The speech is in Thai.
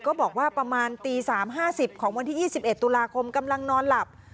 ก็บอกว่าประมาณตีสามห้าสิบของวันที่ยี่สิบเอ็ดตุลาคมกำลังนอนหลับ